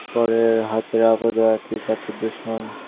শশাঙ্ক হেসে উড়িয়ে দিয়ে বললে, পরের হাতের আপদও একই জাতের দুশমন।